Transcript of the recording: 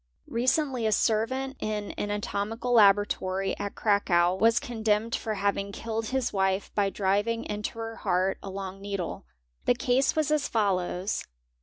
Recently a servant in an anatomical laboratory at 3 . tacow was condemned for having killed his wife by driving into her eart a long needle. The case was as follows.